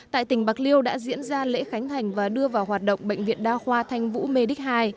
tại tỉnh bạc liêu đã diễn ra lễ khánh hành và đưa vào hoạt động bệnh viện đa khoa thanh vũ mê đích ii